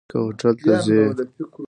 که هوټل ته ځي.